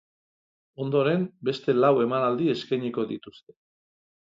Ondoren, beste lau emanaldi eskainiko dituzte.